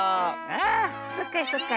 ああそうかそうか。